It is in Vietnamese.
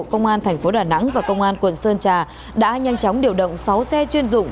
công an thành phố đà nẵng và công an quận sơn trà đã nhanh chóng điều động sáu xe chuyên dụng